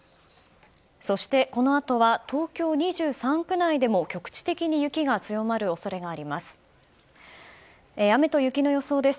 そして、このあとは東京２３区内でも局地的に雪が強まる恐れがあります。